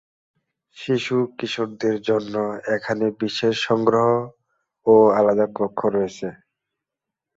শিশু-কিশোরদের জন্য এখানে বিশেষ সংগ্রহ ও আলাদা কক্ষ রয়েছে।